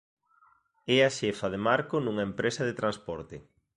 É a xefa de Marco nunha empresa de transporte.